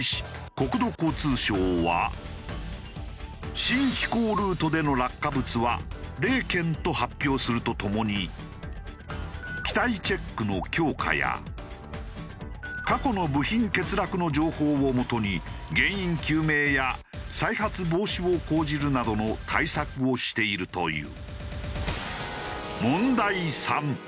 この新飛行ルートでの落下物は０件と発表するとともに機体チェックの強化や過去の部品欠落の情報をもとに原因究明や再発防止を講じるなどの対策をしているという。